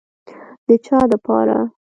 د چا دپاره.